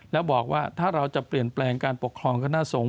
แล้วบอกว่าถ้าเราจะเปลี่ยนแปลงการปกครองคณะสงฆ